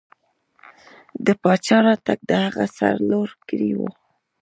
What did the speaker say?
د پاچا راتګ د هغه سر لوړ کړی و.